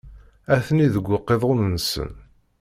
Atni deg uqiḍun-nsen.